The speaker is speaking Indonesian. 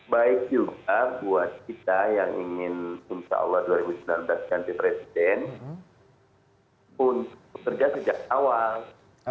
baik juga buat kita yang ingin insya allah dua ribu sembilan belas ganti presiden untuk bekerja sejak awal